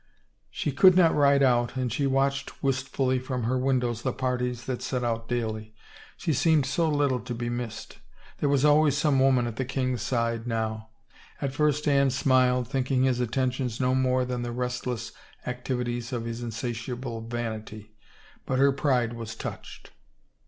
She could not ride out and she watched wistfully from her windows the parties that set out daily. She seemed so little to be missed. ... There was always some woman at the king's side, now. At first Anne smiled, thinking his attentions no more than the restless activi ties of his insatiable vanity, but her pride was touched.